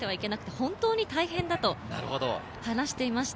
本当に大変だと話していました。